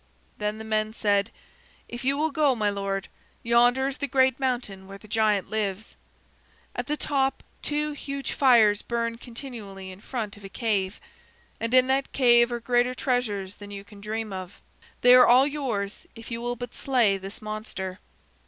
Then the men said: "If you will go, my lord, yonder is the great mountain where the giant lives. At the top, two huge fires burn continually in front of a cave, and in that cave are greater treasures than you can dream of. They are all yours if you will but slay this monster."